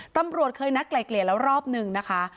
ตำรวจเคยนัดไกลเกลี่ยแล้วรอบนึงนะคะ